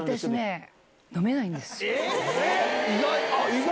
意外！